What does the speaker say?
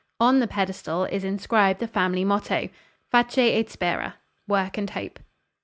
On the pedestal is inscribed the family motto, "Face et spera" (Work and hope).